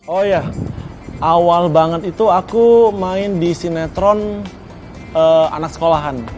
oh iya awal banget itu aku main di sinetron anak sekolahan